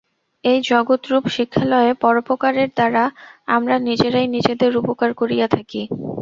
এই জগৎরূপ শিক্ষালয়ে পরোপকারের দ্বারা আমরা নিজেরাই নিজেদের উপকার করিয়া থাকি।